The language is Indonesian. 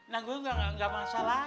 nah gue enggak masalah